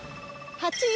８位！？